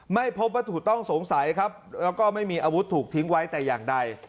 ไม่พบวัตถุต้องสงสัยแล้วก็ไม่มีอาวุธทิ้งไว้อย่างใด